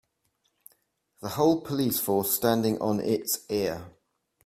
The whole police force standing on it's ear.